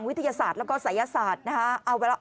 วิทยาศาสตร์แล้วก็ศัยศาสตร์นะคะ